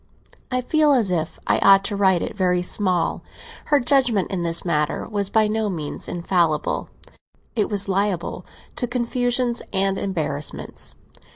I feel as if I ought to write it very small, her judgement in this matter was by no means infallible; it was liable to confusions and embarrassments.